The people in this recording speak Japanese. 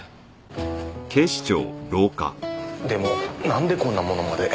でもなんでこんなものまで。